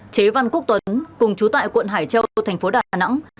chế văn quốc tuấn cùng chú tại quận hải châu thành phố đà nẵng